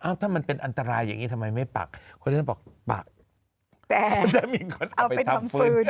ถ้ามันเป็นอันตรายอย่างนี้ทำไมไม่ปักคนที่จะบอกปักแต่มันจะมีคนเอาไปทำฟื้น